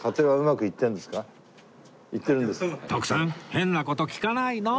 徳さん変な事聞かないの！